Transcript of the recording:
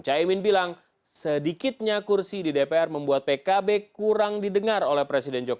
caimin bilang sedikitnya kursi di dpr membuat pkb kurang didengar oleh presiden jokowi